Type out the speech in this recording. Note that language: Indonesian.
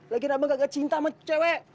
lagian abang gak cinta sama cewek